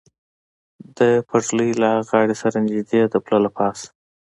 د پټلۍ له ها غاړې سره نږدې د پله له پاسه.